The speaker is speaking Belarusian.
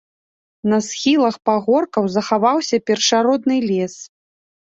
На схілах пагоркаў захаваўся першародны лес.